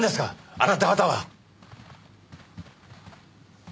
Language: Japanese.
あなた方は。